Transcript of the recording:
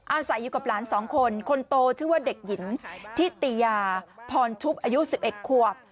อาศัยอยู่กับหลานสองคนคนโตชื่อว่าเด็กหญิงทิติยาพรชุบอายุ๑๑ควบ